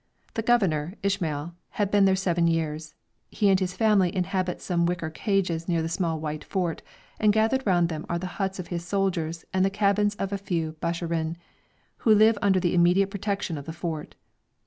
The governor, Ismael, has been there seven years; he and his family inhabit some wicker cages near the small white fort, and gathered round them are the huts of his soldiers and the cabins of a few Bisharin, who live under the immediate protection of the fort.